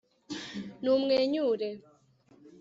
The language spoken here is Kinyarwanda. numwenyure